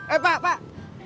eh pak pak